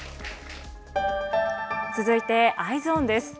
続いて、Ｅｙｅｓｏｎです。